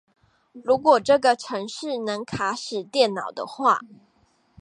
如果這個程式能卡死電腦的話